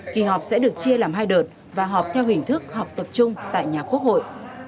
kỳ họp sẽ được chia làm hai đợt và họp theo hình thức họp tập trung tại nhà quốc hội